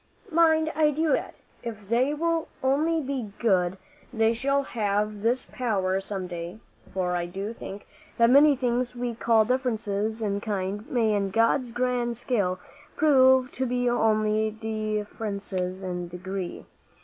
Mind, I do expect that, if they will only be good, they shall have this power some day; for I do think that many things we call differences in kind, may in God's grand scale prove to be only differences in degree.